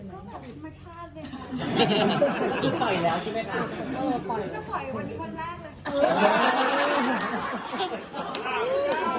ริต้าใช้คำว่าเปิดอู๋ได้เลยใช่ไหม